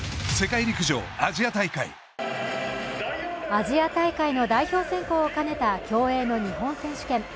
アジア大会の代表選考を兼ねた競泳の日本選手権。